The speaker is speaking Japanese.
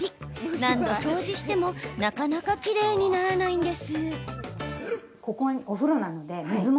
何度掃除してもなかなかきれいにならないんです。